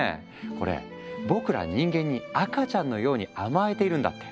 これ僕ら人間に赤ちゃんのように甘えているんだって。